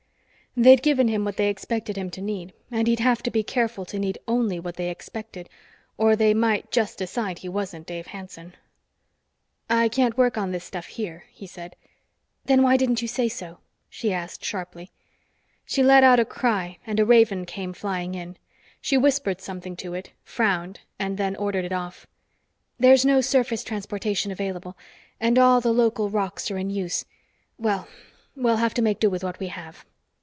They'd given him what they expected him to need, and he'd have to be careful to need only what they expected, or they might just decide he wasn't Dave Hanson. "I can't work on this stuff here," he said. "Then why didn't you say so?" she asked sharply. She let out a cry and a raven came flying in. She whispered something to it, frowned, and then ordered it off. "There's no surface transportation available, and all the local rocs are in use. Well, we'll have to make do with what we have."